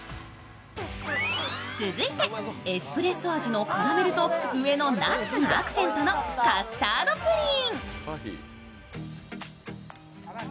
続いて、エスプレッソ味のカラメルと上のナッツがアクセントのカスタードプリン。